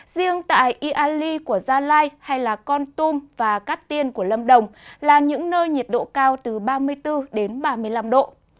riêng tại iali của gia lai hay con tum và cát tiên của lâm đồng là những nơi nhiệt độ cao từ ba mươi bốn đến ba mươi năm độ